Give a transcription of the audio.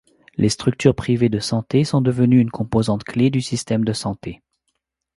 Les structures privées de santé sont devenues une composante clé du système de santé.